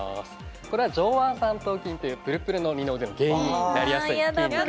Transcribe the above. これは上腕三頭筋というところの筋肉痛の原因になりやすい。